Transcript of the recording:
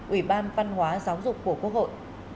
ủy ban văn hóa giáo dục của quốc hội